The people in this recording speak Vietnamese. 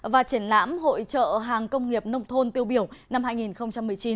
và triển lãm hội trợ hàng công nghiệp nông thôn tiêu biểu năm hai nghìn một mươi chín